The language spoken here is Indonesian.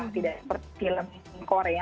tidak seperti film korea